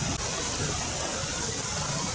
kota yang terkenal dengan